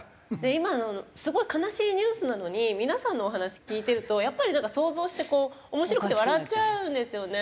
今のすごい悲しいニュースなのに皆さんのお話聞いてるとやっぱりなんか想像してこう面白くて笑っちゃうんですよね。